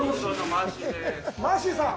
マーシーさん。